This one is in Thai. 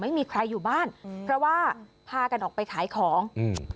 ไม่มีใครอยู่บ้านอืมเพราะว่าพากันออกไปขายของอืม